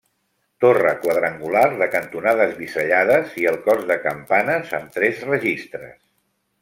Torre quadrangular de cantonades bisellades i el cos de campanes amb tres registres.